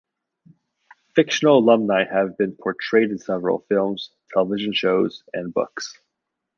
Fictional alumni have been portrayed in several films, television shows, and books.